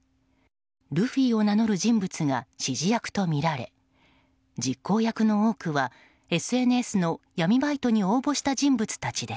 ルフィを名乗る人物が指示役とみられ実行役の多くはＳＮＳの闇バイトに応募した人物たちです。